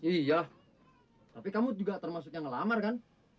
iya tapi kamu juga termasuknya ngelamar kan